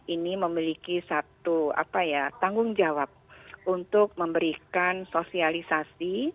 ini memiliki satu tanggung jawab untuk memberikan sosialisasi